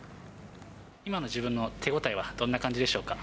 今の自分の手応えはどんな感じでしょうか？